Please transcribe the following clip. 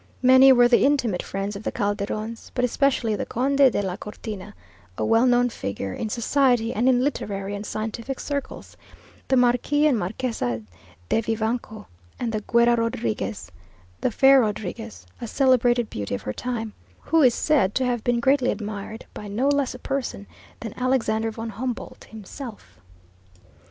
Many were the intimate friends of the Calderons, but especially the Conde de la Cortina, a well known figure in society and in literary and scientific circles, the Marques and Marquesa de Vivanco, and the "Guera Rodriguez," (the "Fair Rodriguez"), a celebrated beauty of her time, who is said to have been greatly admired by no less a person than Alexander von Humboldt himself!